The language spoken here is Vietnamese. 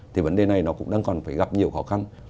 thì vấn đề này nó cũng đang còn phải gặp nhiều khó khăn